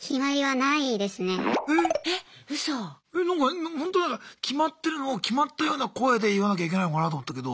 なんか決まってるのを決まったような声で言わなきゃいけないのかなと思ったけど。